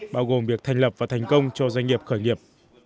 bao gồm việc thành lập và thành công cho doanh nghiệp khởi nghiệp